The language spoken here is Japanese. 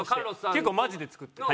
結構マジで作ってる。